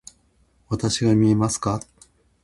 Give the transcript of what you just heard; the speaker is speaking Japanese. わたしが見えますか？